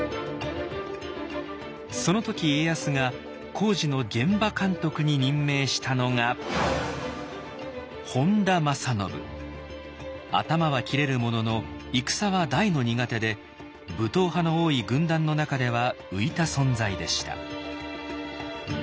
その時家康が工事の現場監督に任命したのが頭は切れるものの戦は大の苦手で武闘派の多い軍団の中では浮いた存在でした。